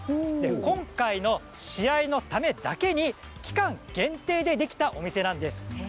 今回の試合のためだけに期間限定でできたお店なんです。